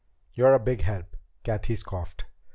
"You're a big help," Cathy scoffed.